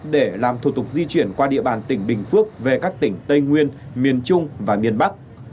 để làm thủ tục di chuyển qua địa bàn tỉnh bình phước về các tỉnh tây nguyên miền trung và miền bắc